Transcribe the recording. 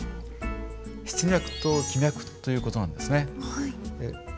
筆脈と気脈という事なんですね。